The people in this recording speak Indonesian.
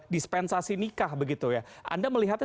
dispensasi nikah begitu ya anda melihatnya